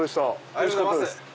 おいしかったです。